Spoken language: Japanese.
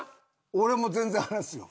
俺も全然離すよ。